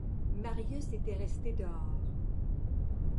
Marius était resté dehors.